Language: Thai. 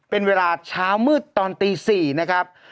เป็นเวลาเช้ามืดตอนตี๔นะครับ